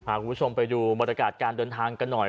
คุณผู้ชมไปดูบรรยากาศการเดินทางกันหน่อย